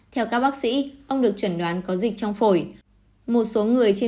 theo các bác sĩ ông được chuẩn đoán có dịch trong phổi